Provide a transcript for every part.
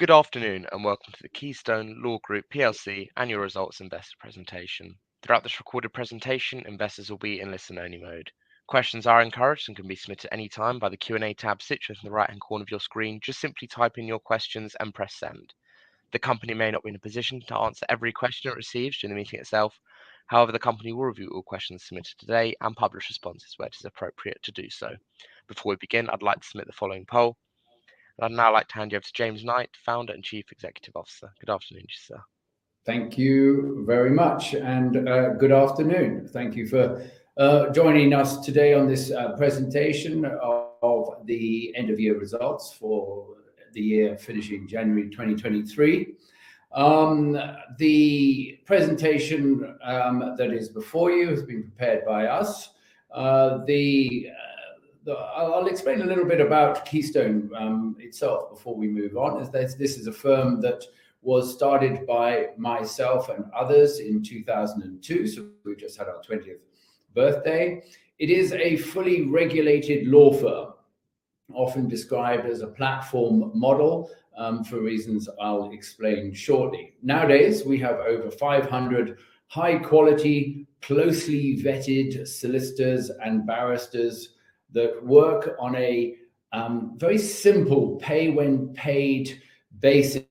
Good afternoon and welcome to the Keystone Law Group PLC Annual Results Investor presentation. Throughout this recorded presentation, investors will be in listen-only mode. Questions are encouraged and can be submitted at any time by the Q&A tab situated in the right-hand corner of your screen. Just simply type in your questions and press send. The company may not be in a position to answer every question it receives during the meeting itself. However, the company will review all questions submitted today and publish responses where it is appropriate to do so. Before we begin, I'd like to submit the following poll, and I'd now like to hand you over to James Knight, Founder and Chief Executive Officer. Good afternoon, sir. Thank you very much, and good afternoon. Thank you for joining us today on this presentation of the end-of-year results for the year finishing January 2023. The presentation that is before you has been prepared by us. I'll explain a little bit about Keystone itself before we move on. This is a firm that was started by myself and others in 2002, so we've just had our 20th birthday. It is a fully regulated law firm, often described as a platform model for reasons I'll explain shortly. Nowadays, we have over 500 high-quality, closely vetted solicitors and barristers that work on a very simple pay-when-paid basis,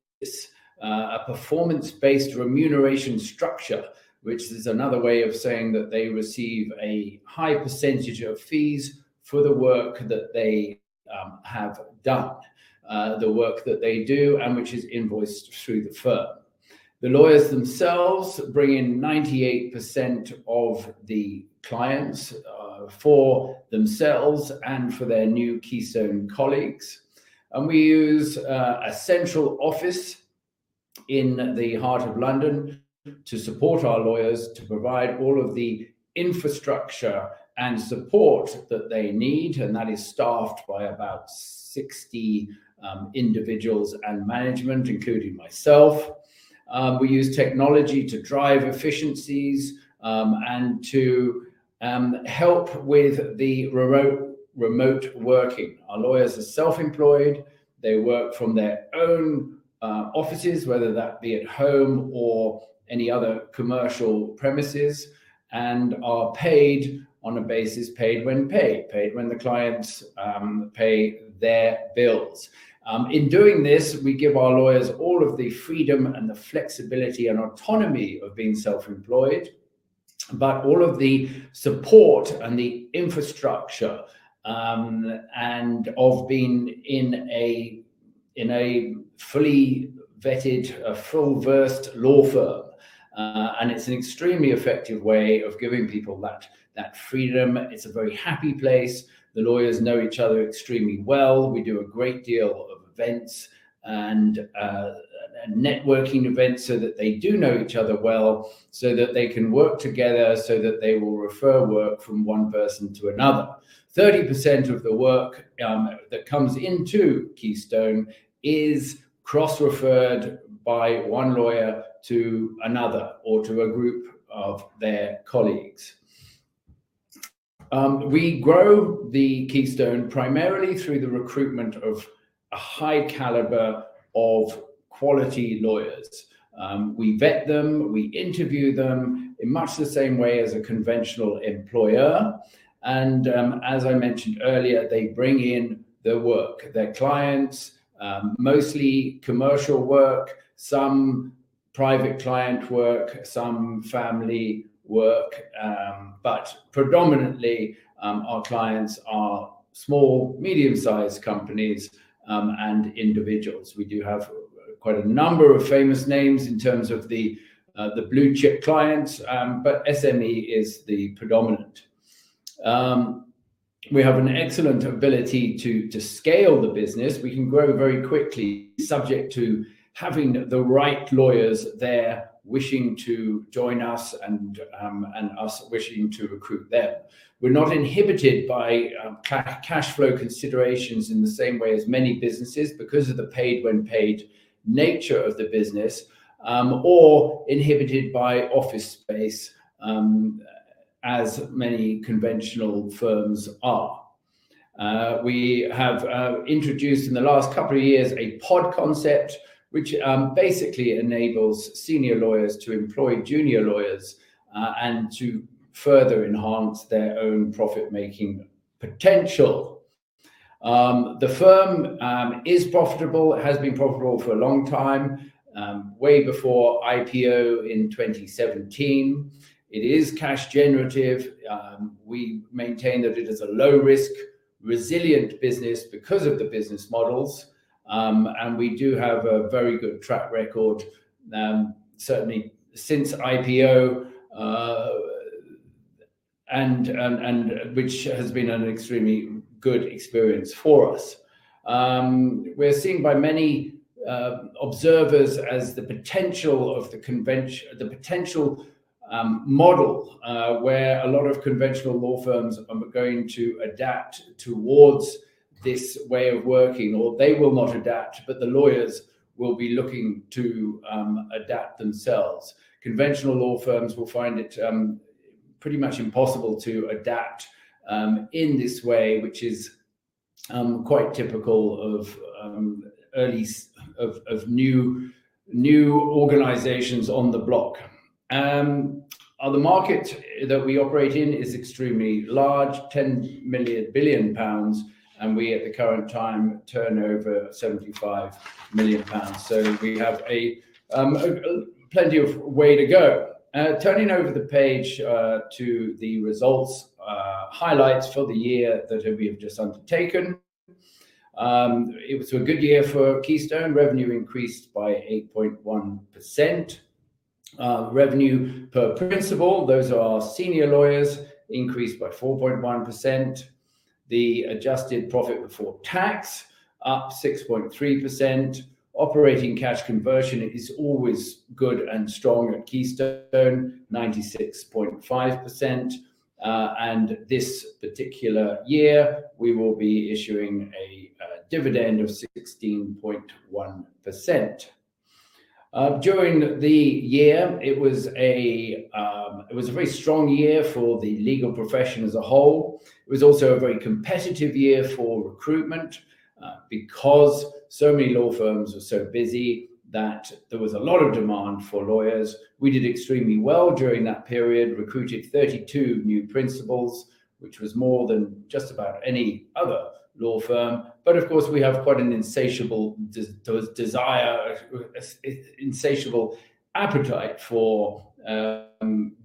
a performance-based remuneration structure, which is another way of saying that they receive a high percentage of fees for the work that they have done, the work that they do, and which is invoiced through the firm. The lawyers themselves bring in 98% of the clients for themselves and for their new Keystone colleagues. We use a central office in the heart of London to support our lawyers, to provide all of the infrastructure and support that they need, and that is staffed by about 60 individuals and management, including myself. We use technology to drive efficiencies and to help with the remote working. Our lawyers are self-employed. They work from their own offices, whether that be at home or any other commercial premises, and are paid on a pay-when-paid basis, paid when the clients pay their bills. In doing this, we give our lawyers all of the freedom and the flexibility and autonomy of being self-employed, but all of the support and the infrastructure of being in a fully vetted, full-service law firm. It's an extremely effective way of giving people that freedom. It's a very happy place. The lawyers know each other extremely well. We do a great deal of events and networking events so that they do know each other well, so that they can work together, so that they will refer work from one person to another. 30% of the work that comes into Keystone is cross-referred by one lawyer to another or to a group of their colleagues. We grow the Keystone primarily through the recruitment of a high caliber of quality lawyers. We vet them. We interview them in much the same way as a conventional employer. As I mentioned earlier, they bring in their work, their clients, mostly commercial work, some private client work, some family work. But predominantly, our clients are small, medium-sized companies and individuals. We do have quite a number of famous names in terms of the blue-chip clients, but SME is the predominant. We have an excellent ability to scale the business. We can grow very quickly subject to having the right lawyers there wishing to join us and us wishing to recruit them. We're not inhibited by cash flow considerations in the same way as many businesses because of the paid-when-paid nature of the business or inhibited by office space, as many conventional firms are. We have introduced in the last couple of years a Pod concept, which basically enables senior lawyers to employ junior lawyers and to further enhance their own profit-making potential. The firm is profitable. It has been profitable for a long time, way before IPO in 2017. It is cash-generative. We maintain that it is a low-risk, resilient business because of the business models. We do have a very good track record, certainly since IPO, which has been an extremely good experience for us. We're seen by many observers as the potential model where a lot of conventional law firms are going to adapt towards this way of working, or they will not adapt, but the lawyers will be looking to adapt themselves. Conventional law firms will find it pretty much impossible to adapt in this way, which is quite typical of new organizations on the block. The market that we operate in is extremely large, 10 billion pounds, and we at the current time turn over 75 million pounds. We have plenty of way to go. Turning over the page to the results highlights for the year that we have just undertaken, it was a good year for Keystone. Revenue increased by 8.1%. Revenue per principal, those are our senior lawyers, increased by 4.1%. The adjusted profit before tax up 6.3%. Operating cash conversion is always good and strong at Keystone, 96.5%. This particular year, we will be issuing a dividend of 16.1%. During the year, it was a very strong year for the legal profession as a whole. It was also a very competitive year for recruitment because so many law firms were so busy that there was a lot of demand for lawyers. We did extremely well during that period, recruited 32 new principals, which was more than just about any other law firm. But of course, we have quite an insatiable appetite for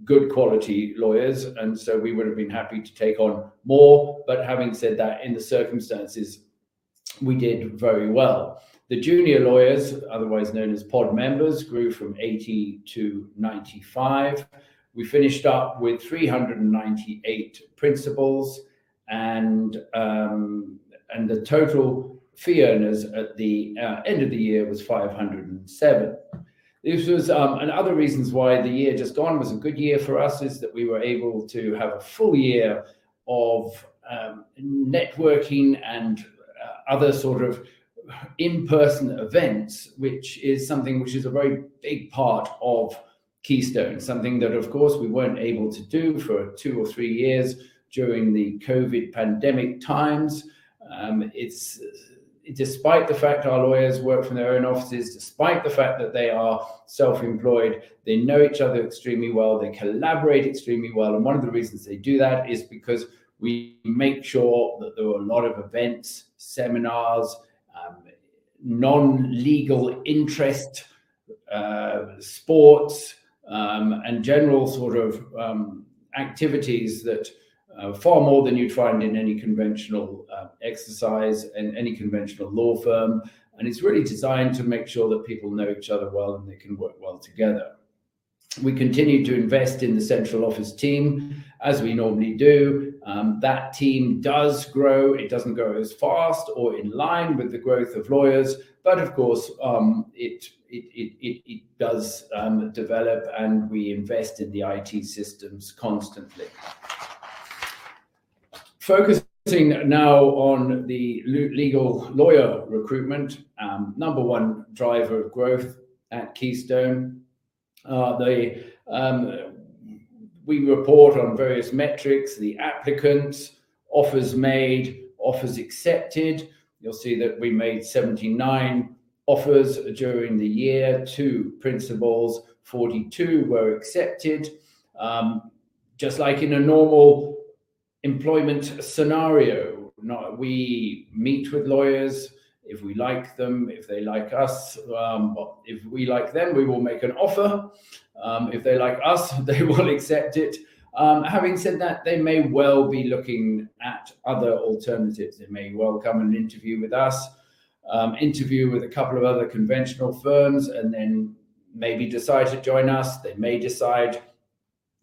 good-quality lawyers, and so we would have been happy to take on more. But having said that, in the circumstances, we did very well. The junior lawyers, otherwise known as Pod members, grew from 80 to 95. We finished up with 398 principals, and the total fee earners at the end of the year was 507. Other reasons why the year just gone was a good year for us is that we were able to have a full year of networking and other sort of in-person events, which is something which is a very big part of Keystone, something that, of course, we weren't able to do for two or three years during the COVID pandemic times. Despite the fact our lawyers work from their own offices, despite the fact that they are self-employed, they know each other extremely well. They collaborate extremely well. One of the reasons they do that is because we make sure that there are a lot of events, seminars, non-legal interest sports, and general sort of activities that are far more than you'd find in any conventional exercise and any conventional law firm. It's really designed to make sure that people know each other well and they can work well together. We continue to invest in the central office team as we normally do. That team does grow. It doesn't grow as fast or in line with the growth of lawyers, but of course, it does develop, and we invest in the IT systems constantly. Focusing now on the legal lawyer recruitment, number one driver of growth at Keystone, we report on various metrics: the applicants, offers made, offers accepted. You'll see that we made 79 offers during the year, two principals, 42 were accepted. Just like in a normal employment scenario, we meet with lawyers if we like them, if they like us. If we like them, we will make an offer. If they like us, they will accept it. Having said that, they may well be looking at other alternatives. They may well come and interview with us, interview with a couple of other conventional firms, and then maybe decide to join us. They may decide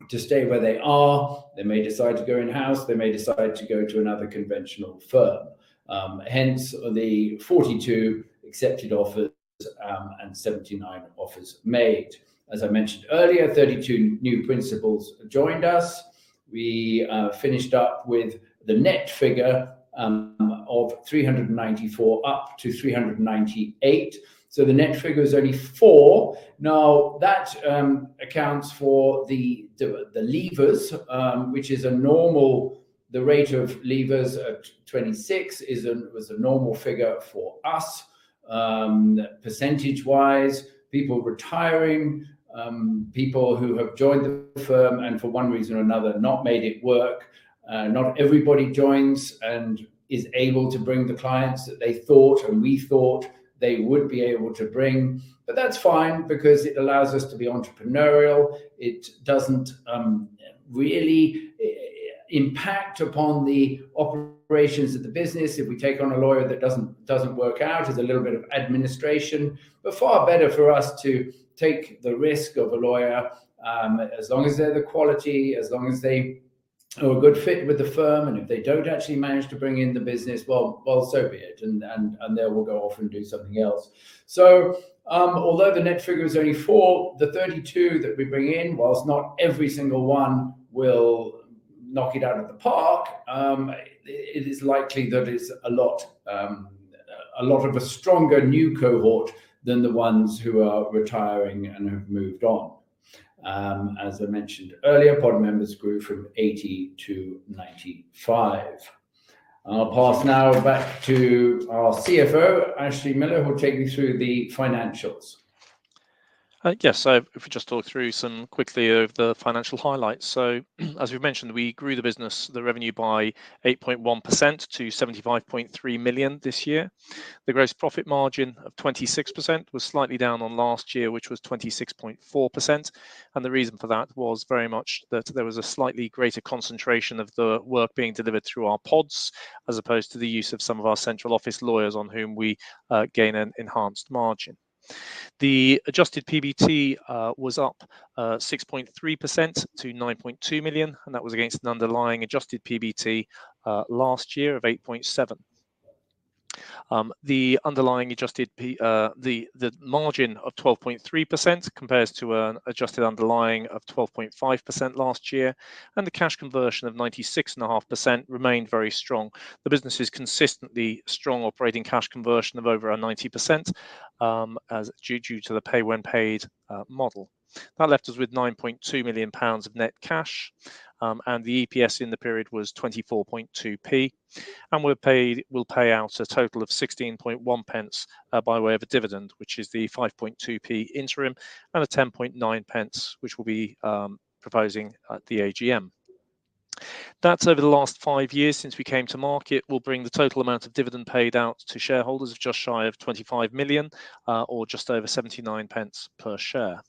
to stay where they are. They may decide to go in-house. They may decide to go to another conventional firm. Hence, the 42 accepted offers and 79 offers made. As I mentioned earlier, 32 new principals joined us. We finished up with the net figure of 394 up to 398. So the net figure is only four. Now, that accounts for the leavers, which is a normal rate of leavers at 26% was a normal figure for us percentage-wise, people retiring, people who have joined the firm and for one reason or another not made it work. Not everybody joins and is able to bring the clients that they thought and we thought they would be able to bring. But that's fine because it allows us to be entrepreneurial. It doesn't really impact upon the operations of the business. If we take on a lawyer that doesn't work out, it's a little bit of administration. But far better for us to take the risk of a lawyer as long as they're the quality, as long as they are a good fit with the firm, and if they don't actually manage to bring in the business, well, so be it, and they will go off and do something else. So although the net figure is only four, the 32 that we bring in, while not every single one will knock it out of the park, it is likely that it's a lot of a stronger new cohort than the ones who are retiring and have moved on. As I mentioned earlier, Pod members grew from 80 to 95. I'll pass now back to our CFO, Ashley Miller, who'll take me through the financials. Yes. If we just talk through some quickly of the financial highlights. So as we've mentioned, we grew the business, the revenue, by 8.1% to 75.3 million this year. The gross profit margin of 26% was slightly down on last year, which was 26.4%. And the reason for that was very much that there was a slightly greater concentration of the work being delivered through our Pods as opposed to the use of some of our central office lawyers on whom we gain an enhanced margin. The adjusted PBT was up 6.3% to 9.2 million, and that was against an underlying adjusted PBT last year of 8.7 million. The margin of 12.3% compares to an adjusted underlying of 12.5% last year, and the cash conversion of 96.5% remained very strong. The business is consistently strong operating cash conversion of over 90% due to the pay-when-paid model. That left us with 9.2 million pounds of net cash, and the EPS in the period was 24.2p. We'll pay out a total of 0.161 by way of a dividend, which is the 0.052 interim, and a 0.109, which we'll be proposing at the AGM. That's over the last five years since we came to market. We'll bring the total amount of dividend paid out to shareholders of just shy of 25 million or just over 0.79 per share.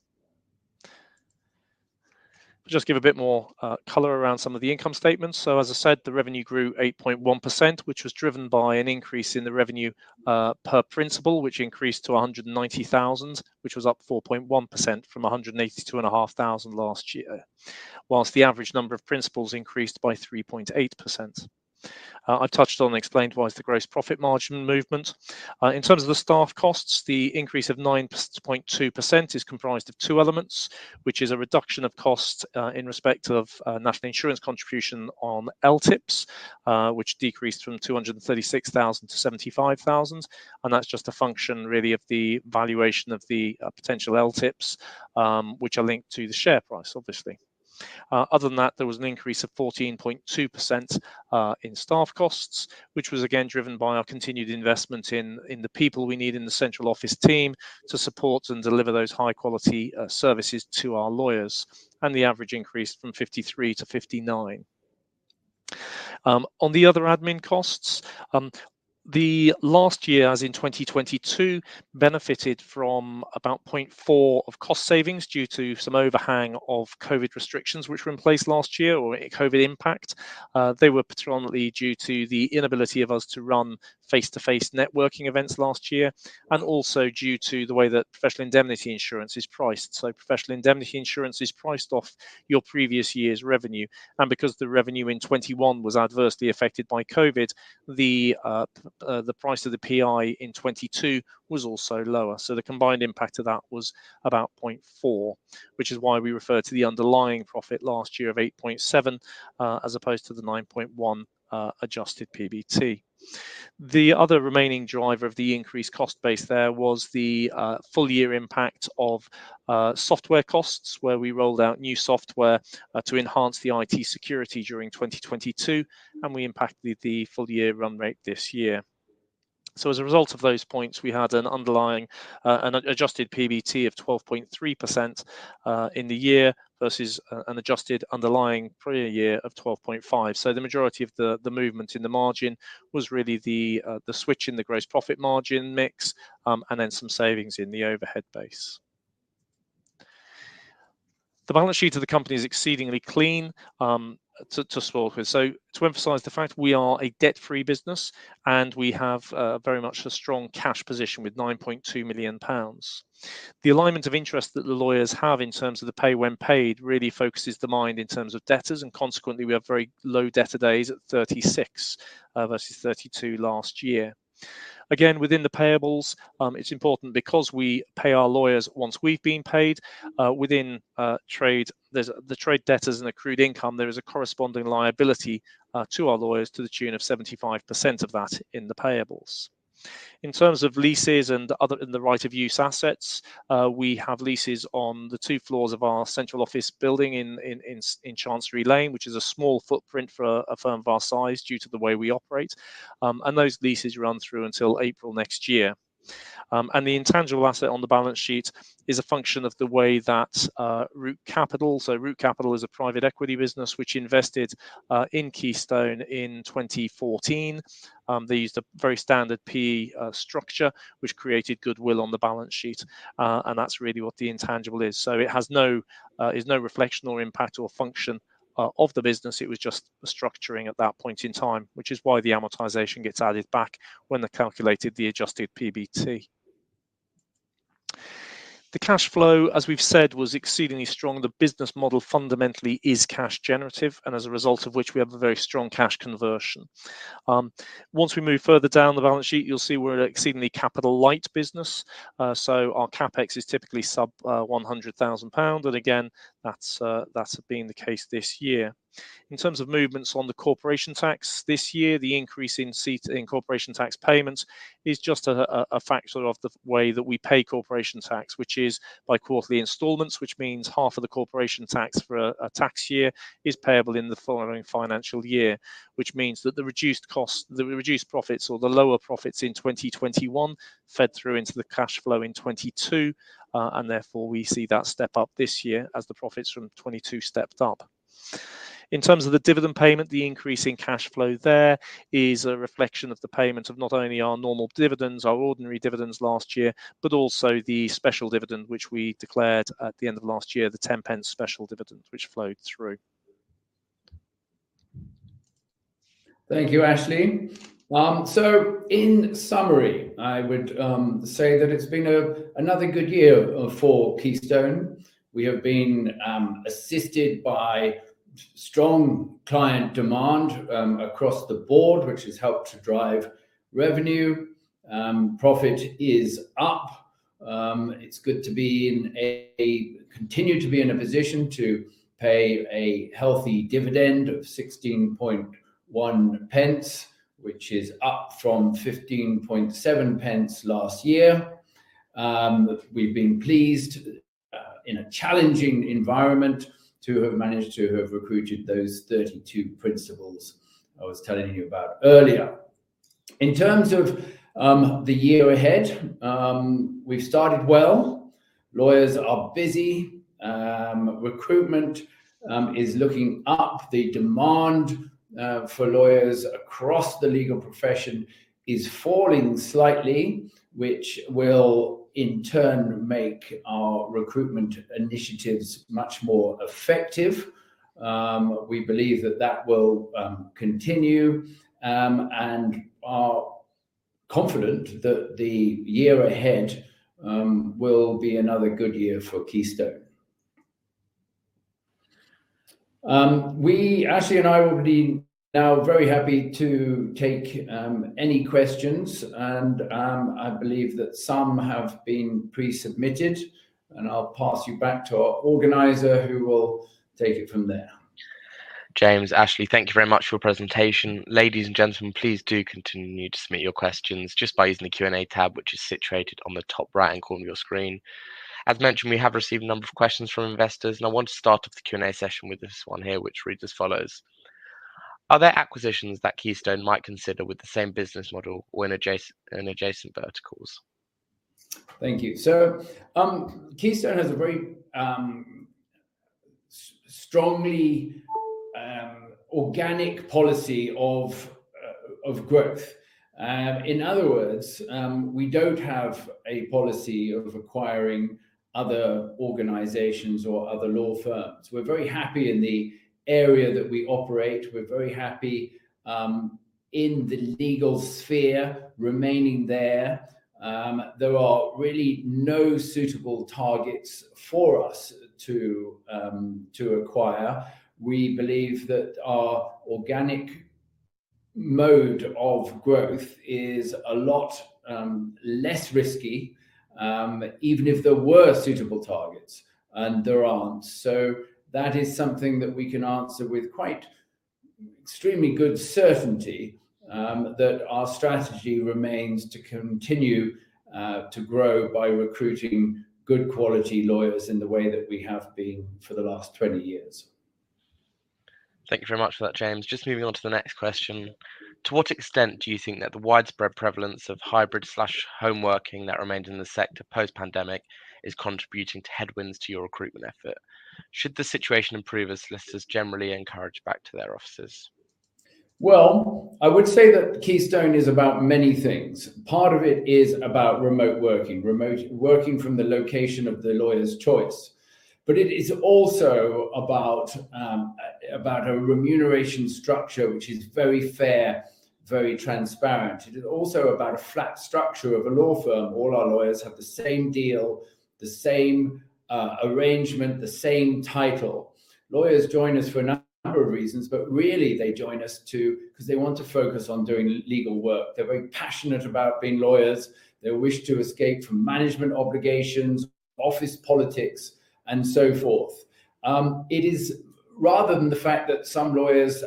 We'll just give a bit more color around some of the income statements. So as I said, the revenue grew 8.1%, which was driven by an increase in the revenue per principal, which increased to 190,000, which was up 4.1% from 182,500 last year, while the average number of principals increased by 3.8%. I've touched on and explained why it's the gross profit margin movement. In terms of the staff costs, the increase of 9.2% is comprised of two elements, which is a reduction of costs in respect of National Insurance contribution on LTIPs, which decreased from 236,000 to 75,000. And that's just a function, really, of the valuation of the potential LTIPs, which are linked to the share price, obviously. Other than that, there was an increase of 14.2% in staff costs, which was, again, driven by our continued investment in the people we need in the central office team to support and deliver those high-quality services to our lawyers, and the average increase from 53 to 59. On the other admin costs, the last year, as in 2022, benefited from about 0.4% of cost savings due to some overhang of COVID restrictions, which were in place last year or COVID impact. They were predominantly due to the inability of us to run face-to-face networking events last year and also due to the way that professional indemnity insurance is priced. Professional indemnity insurance is priced off your previous year's revenue. Because the revenue in 2021 was adversely affected by COVID, the price of the PI in 2022 was also lower. The combined impact of that was about 0.4%, which is why we refer to the underlying profit last year of 8.7% as opposed to the 9.1% adjusted PBT. The other remaining driver of the increased cost base there was the full-year impact of software costs, where we rolled out new software to enhance the IT security during 2022, and we impacted the full-year run rate this year. As a result of those points, we had an adjusted PBT of 12.3% in the year versus an adjusted underlying prior year of 12.5%. The majority of the movement in the margin was really the switch in the gross profit margin mix and then some savings in the overhead base. The balance sheet of the company is exceedingly clean, too squeaky. To emphasize the fact, we are a debt-free business, and we have very much a strong cash position with 9.2 million pounds. The alignment of interest that the lawyers have in terms of the pay-when-paid really focuses the mind in terms of debtors. Consequently, we have very low debtor days at 36 versus 32 last year. Again, within the payables, it's important because we pay our lawyers once we've been paid. Within the trade debtors and accrued income, there is a corresponding liability to our lawyers to the tune of 75% of that in the payables. In terms of leases and the right of use assets, we have leases on the two floors of our central office building in Chancery Lane, which is a small footprint for a firm of our size due to the way we operate. Those leases run through until April next year. The intangible asset on the balance sheet is a function of the way that Root Capital so Root Capital is a private equity business which invested in Keystone in 2014. They used a very standard PE structure, which created goodwill on the balance sheet. That's really what the intangible is. It has no reflection or impact or function of the business. It was just structuring at that point in time, which is why the amortization gets added back when they calculated the adjusted PBT. The cash flow, as we've said, was exceedingly strong. The business model fundamentally is cash-generative, and as a result of which, we have a very strong cash conversion. Once we move further down the balance sheet, you'll see we're an exceedingly capital-light business. So our CapEx is typically sub-GBP 100,000. And again, that's been the case this year. In terms of movements on the corporation tax this year, the increase in corporation tax payments is just a factor of the way that we pay corporation tax, which is by quarterly installments, which means half of the corporation tax for a tax year is payable in the following financial year, which means that the reduced profits or the lower profits in 2021 fed through into the cash flow in 2022. Therefore, we see that step up this year as the profits from 2022 stepped up. In terms of the dividend payment, the increase in cash flow there is a reflection of the payment of not only our normal dividends, our ordinary dividends last year, but also the special dividend which we declared at the end of last year, the 0.10 special dividend which flowed through. Thank you, Ashley. So in summary, I would say that it's been another good year for Keystone. We have been assisted by strong client demand across the board, which has helped to drive revenue. Profit is up. It's good to continue to be in a position to pay a healthy dividend of 0.161, which is up from 0.157 last year. We've been pleased, in a challenging environment, to have managed to have recruited those 32 principals I was telling you about earlier. In terms of the year ahead, we've started well. Lawyers are busy. Recruitment is looking up. The demand for lawyers across the legal profession is falling slightly, which will, in turn, make our recruitment initiatives much more effective. We believe that that will continue and are confident that the year ahead will be another good year for Keystone. Ashley and I will be now very happy to take any questions. I believe that some have been presubmitted. I'll pass you back to our organizer, who will take it from there. James, Ashley, thank you very much for your presentation. Ladies and gentlemen, please do continue to submit your questions just by using the Q&A tab, which is situated on the top right-hand corner of your screen. As mentioned, we have received a number of questions from investors. I want to start off the Q&A session with this one here, which reads as follows: Are there acquisitions that Keystone might consider with the same business model or in adjacent verticals? Thank you. So Keystone has a very strongly organic policy of growth. In other words, we don't have a policy of acquiring other organizations or other law firms. We're very happy in the area that we operate. We're very happy in the legal sphere remaining there. There are really no suitable targets for us to acquire. We believe that our organic mode of growth is a lot less risky, even if there were suitable targets, and there aren't. So that is something that we can answer with quite extremely good certainty, that our strategy remains to continue to grow by recruiting good-quality lawyers in the way that we have been for the last 20 years. Thank you very much for that, James. Just moving on to the next question: To what extent do you think that the widespread prevalence of hybrid/homeworking that remained in the sector post-pandemic is contributing to headwinds to your recruitment effort? Should the situation improve as listeners generally encourage back to their offices? Well, I would say that Keystone is about many things. Part of it is about remote working, working from the location of the lawyer's choice. But it is also about a remuneration structure which is very fair, very transparent. It is also about a flat structure of a law firm. All our lawyers have the same deal, the same arrangement, the same title. Lawyers join us for a number of reasons, but really, they join us because they want to focus on doing legal work. They're very passionate about being lawyers. They wish to escape from management obligations, office politics, and so forth. Rather than the fact that some lawyers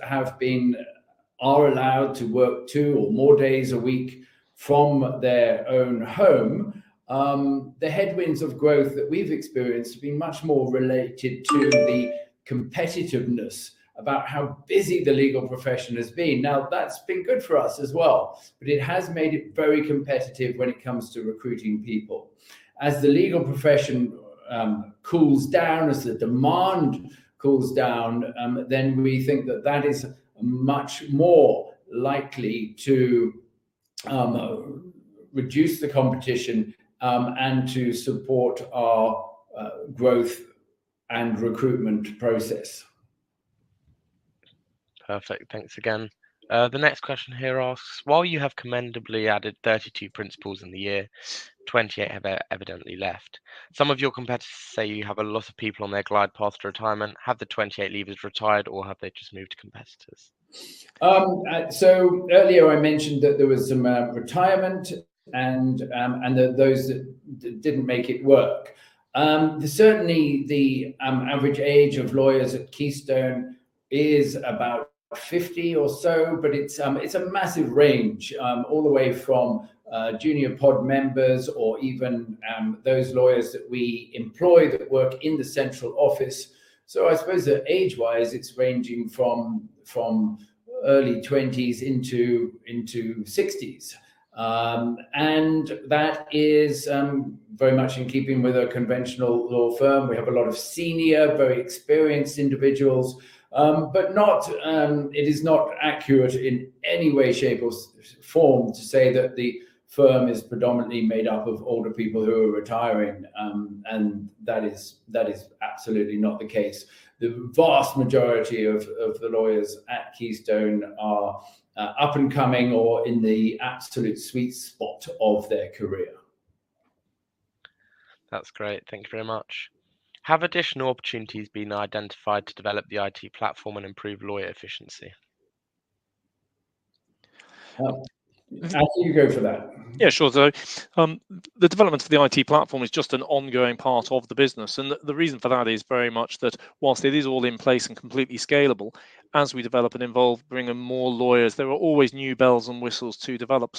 are allowed to work two or more days a week from their own home, the headwinds of growth that we've experienced have been much more related to the competitiveness about how busy the legal profession has been. Now, that's been good for us as well, but it has made it very competitive when it comes to recruiting people. As the legal profession cools down, as the demand cools down, then we think that that is much more likely to reduce the competition and to support our growth and recruitment process. Perfect. Thanks again. The next question here asks: While you have commendably added 32 principals in the year, 28 have evidently left. Some of your competitors say you have a lot of people on their glide path to retirement. Have the 28 leavers retired, or have they just moved to competitors? So earlier, I mentioned that there was some retirement and that those that didn't make it work. Certainly, the average age of lawyers at Keystone is about 50 or so, but it's a massive range all the way from junior pod members or even those lawyers that we employ that work in the central office. I suppose that age-wise, it's ranging from early 20s into 60s. And that is very much in keeping with a conventional law firm. We have a lot of senior, very experienced individuals. But it is not accurate in any way, shape, or form to say that the firm is predominantly made up of older people who are retiring. And that is absolutely not the case. The vast majority of the lawyers at Keystone are up-and-coming or in the absolute sweet spot of their career. That's great. Thank you very much. Have additional opportunities been identified to develop the IT platform and improve lawyer efficiency? How can you go for that? Yeah, sure. The development of the IT platform is just an ongoing part of the business. The reason for that is very much that whilst it is all in place and completely scalable, as we develop and evolve, bring in more lawyers, there are always new bells and whistles to develop.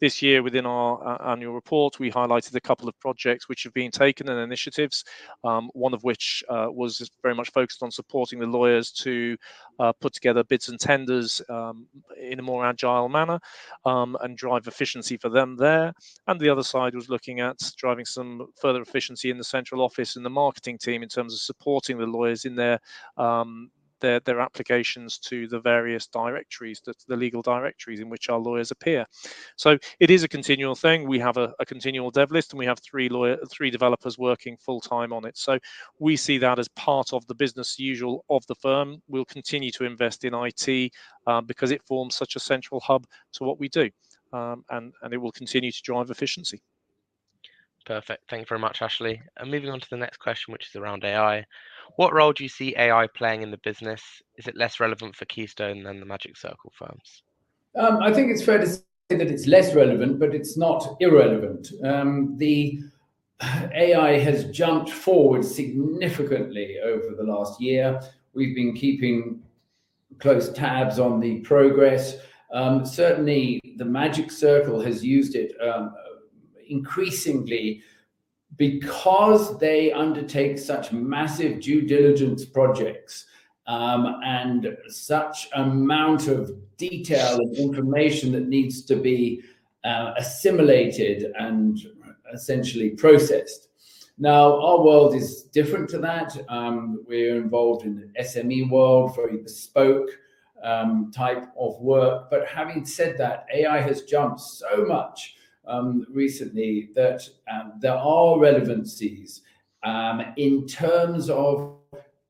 This year, within our annual report, we highlighted a couple of projects which have been taken and initiatives, one of which was very much focused on supporting the lawyers to put together bids and tenders in a more agile manner and drive efficiency for them there. The other side was looking at driving some further efficiency in the central office and the marketing team in terms of supporting the lawyers in their applications to the various legal directories in which our lawyers appear. It is a continual thing. We have a continual dev list, and we have three developers working full-time on it. We see that as part of the business as usual of the firm. We'll continue to invest in IT because it forms such a central hub to what we do. It will continue to drive efficiency. Perfect. Thank you very much, Ashley. Moving on to the next question, which is around AI: What role do you see AI playing in the business? Is it less relevant for Keystone than the Magic Circle firms? I think it's fair to say that it's less relevant, but it's not irrelevant. AI has jumped forward significantly over the last year. We've been keeping close tabs on the progress. Certainly, the Magic Circle has used it increasingly because they undertake such massive due diligence projects and such amount of detail and information that needs to be assimilated and essentially processed. Now, our world is different to that. We're involved in the SME world, very bespoke type of work. But having said that, AI has jumped so much recently that there are relevancies in terms of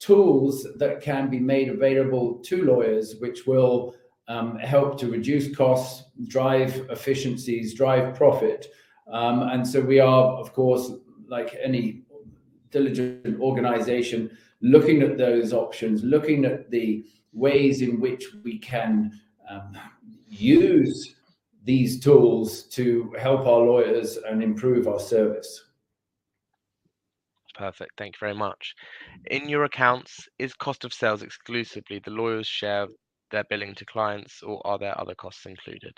tools that can be made available to lawyers which will help to reduce costs, drive efficiencies, drive profit. And so we are, of course, like any diligent organization, looking at those options, looking at the ways in which we can use these tools to help our lawyers and improve our service. Perfect. Thank you very much. In your accounts, is cost of sales exclusively the lawyers' share their billing to clients, or are there other costs included?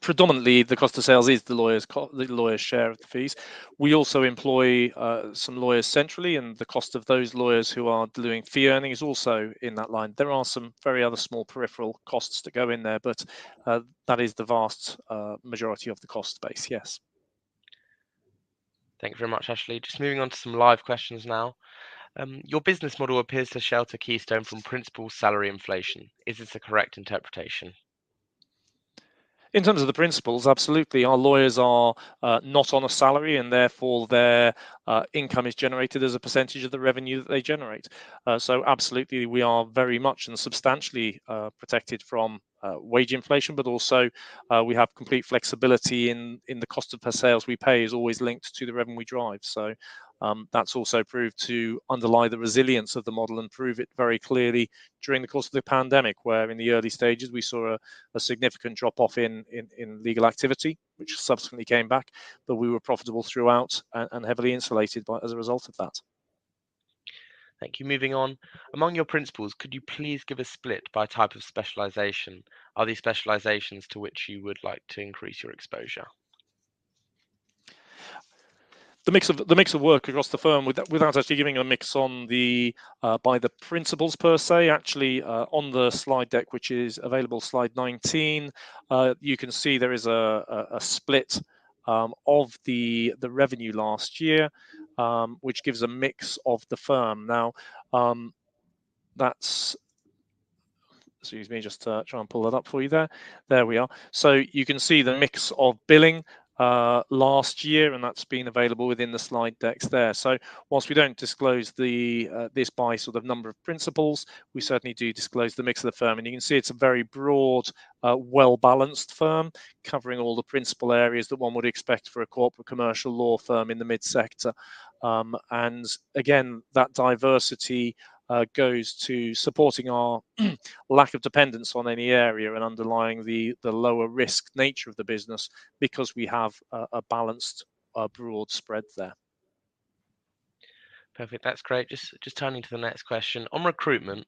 Predominantly, the cost of sales is the lawyers' share of the fees. We also employ some lawyers centrally, and the cost of those lawyers who are doing fee earning is also in that line. There are some other very small peripheral costs that go in there, but that is the vast majority of the cost base, yes. Thank you very much, Ashley. Just moving on to some live questions now. Your business model appears to shelter Keystone from principal salary inflation. Is this a correct interpretation? In terms of the principals, absolutely. Our lawyers are not on a salary, and therefore, their income is generated as a percentage of the revenue that they generate. So absolutely, we are very much and substantially protected from wage inflation. But also, we have complete flexibility in the cost per sale we pay is always linked to the revenue we drive. So that's also proved to underlie the resilience of the model and prove it very clearly during the course of the pandemic, where in the early stages, we saw a significant drop-off in legal activity, which subsequently came back. But we were profitable throughout and heavily insulated as a result of that. Thank you. Moving on. Among your Principals, could you please give a split by type of specialization? Are there specializations to which you would like to increase your exposure? The mix of work across the firm without actually giving a mix by the principals per se, actually on the slide deck, which is available slide 19, you can see there is a split of the revenue last year, which gives a mix of the firm. Now, excuse me, just try and pull that up for you there. There we are. So you can see the mix of billing last year, and that's been available within the slide decks there. So while we don't disclose this by sort of number of principals, we certainly do disclose the mix of the firm. You can see it's a very broad, well-balanced firm covering all the principal areas that one would expect for a corporate commercial law firm in the mid-sector. And again, that diversity goes to supporting our lack of dependence on any area and underlying the lower-risk nature of the business because we have a balanced, broad spread there. Perfect. That's great. Just turning to the next question: On recruitment,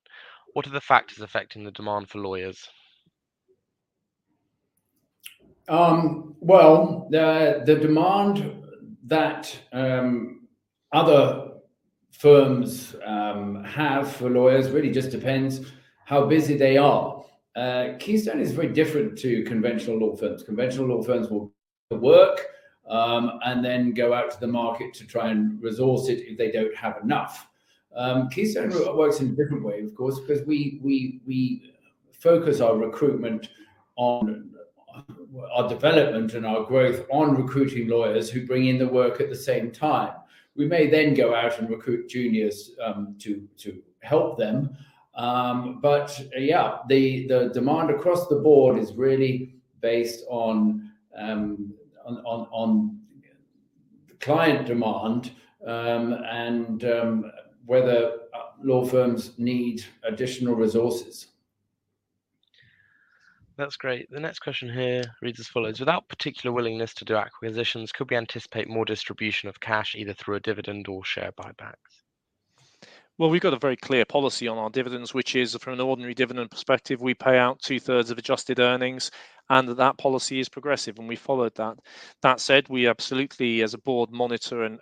what are the factors affecting the demand for lawyers? Well, the demand that other firms have for lawyers really just depends how busy they are. Keystone is very different to conventional law firms. Conventional law firms will work and then go out to the market to try and resource it if they don't have enough. Keystone works in a different way, of course, because we focus our recruitment on our development and our growth on recruiting lawyers who bring in the work at the same time. We may then go out and recruit juniors to help them. But yeah, the demand across the board is really based on client demand and whether law firms need additional resources. That's great. The next question here reads as follows: Without particular willingness to do acquisitions, could we anticipate more distribution of cash either through a dividend or share buybacks? Well, we've got a very clear policy on our dividends, which is from an ordinary dividend perspective, we pay out two-thirds of adjusted earnings. And that policy is progressive, and we followed that. That said, we absolutely, as a board, monitor and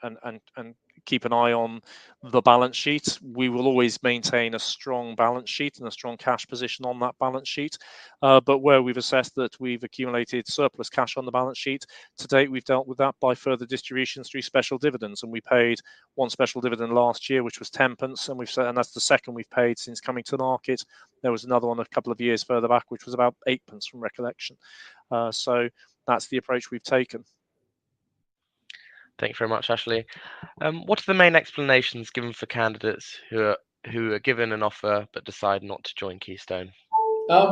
keep an eye on the balance sheet. We will always maintain a strong balance sheet and a strong cash position on that balance sheet. But where we've assessed that we've accumulated surplus cash on the balance sheet, to date, we've dealt with that by further distributions through special dividends. And we paid one special dividend last year, which was 0.10. And that's the second we've paid since coming to market. There was another one a couple of years further back, which was about 0.08 from recollection. So that's the approach we've taken. Thank you very much, Ashley. What are the main explanations given for candidates who are given an offer but decide not to join Keystone?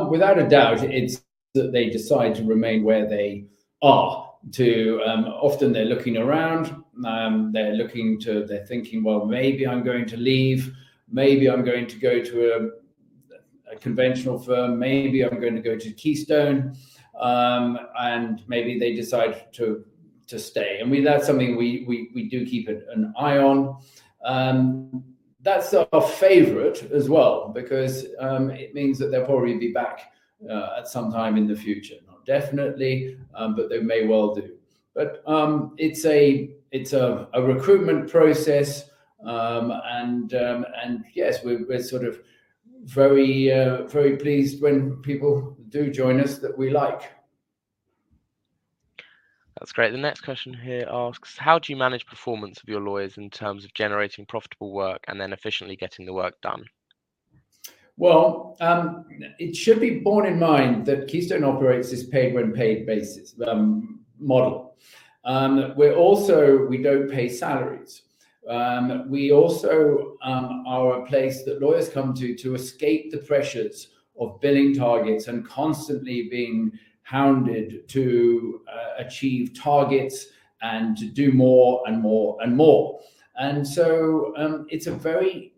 Without a doubt, it's that they decide to remain where they are. Often, they're looking around. They're thinking, "Well, maybe I'm going to leave. Maybe I'm going to go to a conventional firm. Maybe I'm going to go to Keystone." Maybe they decide to stay. That's something we do keep an eye on. That's our favorite as well because it means that they'll probably be back at some time in the future, not definitely, but they may well do. But it's a recruitment process. Yes, we're sort of very pleased when people do join us that we like. That's great. The next question here asks: How do you manage performance of your lawyers in terms of generating profitable work and then efficiently getting the work done? Well, it should be borne in mind that Keystone operates this paid-when-paid basis model. We don't pay salaries. We also are a place that lawyers come to escape the pressures of billing targets and constantly being hounded to achieve targets and to do more and more and more. And so it's a very,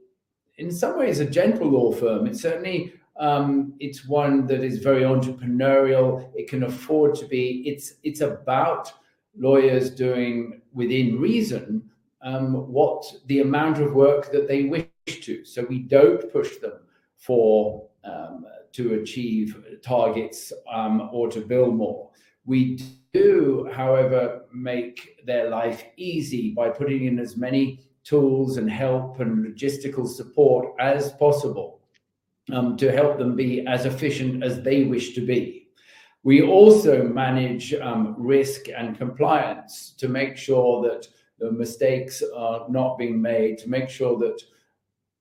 in some ways, a gentle law firm. Certainly, it's one that is very entrepreneurial. It can afford to be. It's about lawyers doing within reason what the amount of work that they wish to. So we don't push them to achieve targets or to bill more. We do, however, make their life easy by putting in as many tools and help and logistical support as possible to help them be as efficient as they wish to be. We also manage risk and compliance to make sure that the mistakes are not being made, to make sure that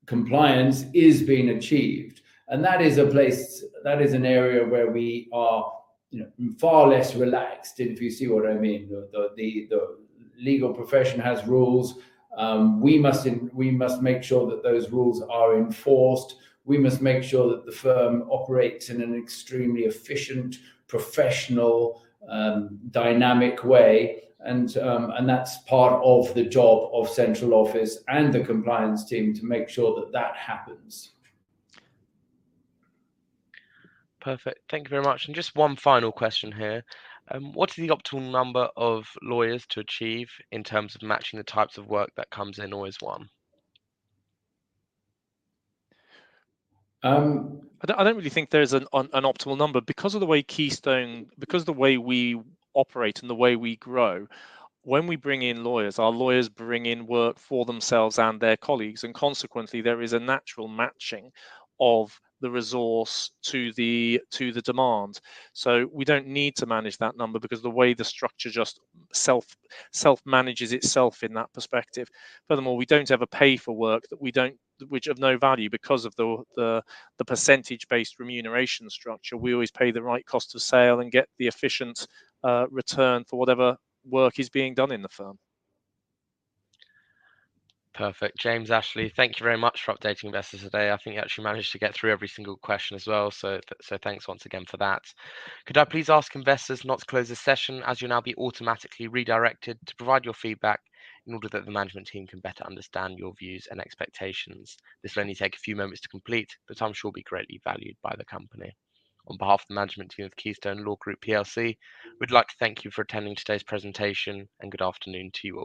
compliance is being achieved. And that is a place that is an area where we are far less relaxed, if you see what I mean. The legal profession has rules. We must make sure that those rules are enforced. We must make sure that the firm operates in an extremely efficient, professional, dynamic way. And that's part of the job of central office and the compliance team to make sure that that happens. Perfect. Thank you very much. And just one final question here: What is the optimal number of lawyers to achieve in terms of matching the types of work that comes in or is one? I don't really think there is an optimal number because of the way we operate and the way we grow. When we bring in lawyers, our lawyers bring in work for themselves and their colleagues. And consequently, there is a natural matching of the resource to the demand. So we don't need to manage that number because the way the structure just self-manages itself in that perspective. Furthermore, we don't ever pay for work which is of no value because of the percentage-based remuneration structure. We always pay the right cost of sale and get the efficient return for whatever work is being done in the firm. Perfect. James, Ashley, thank you very much for updating investors today. I think you actually managed to get through every single question as well. Thanks once again for that. Could I please ask investors not to close the session as you'll now be automatically redirected to provide your feedback in order that the management team can better understand your views and expectations? This will only take a few moments to complete, but I'm sure it'll be greatly valued by the company. On behalf of the management team of Keystone Law Group PLC, we'd like to thank you for attending today's presentation, and good afternoon to you all.